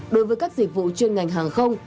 đối với các dịch vụ chuyên ngành hàng không